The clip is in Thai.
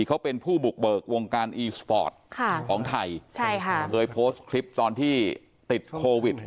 เขาเป็นผู้บุกเบิกวงการอีสปอร์ตค่ะของไทยใช่ค่ะเคยโพสต์คลิปตอนที่ติดโควิด